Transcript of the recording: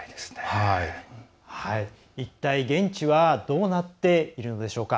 一体、現地はどうなっているのでしょうか。